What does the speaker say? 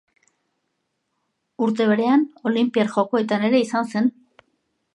Urte berean Olinpiar Jokoetan ere izan zen.